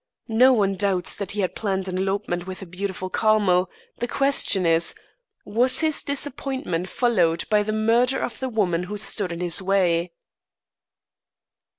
No one doubts that he planned an elopement with the beautiful Carmel; the question is, was his disappointment followed by the murder of the woman who stood in his way?"